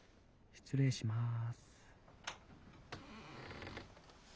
失礼します。